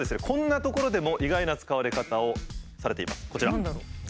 こんなところでも意外な使われ方をされています。